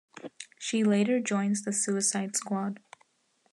She later joins the Suicide Squad.